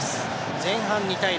前半は２対０。